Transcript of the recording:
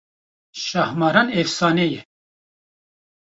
Şahmaran efsane ye